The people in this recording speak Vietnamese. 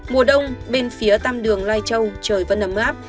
mùa đông bên phía tam đường lai châu trời vẫn ấm áp